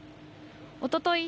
おととい